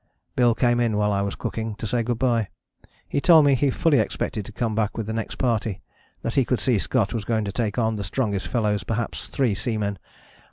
Bill came in while I was cooking, to say good bye. He told me he fully expected to come back with the next party: that he could see Scott was going to take on the strongest fellows, perhaps three seamen.